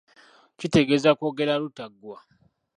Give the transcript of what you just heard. Kitegeeza kwogera lutaggwa.